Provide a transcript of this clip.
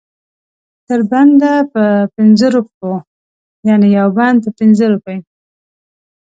تر بنده په پنځو روپو یعنې یو بند په پنځه روپۍ.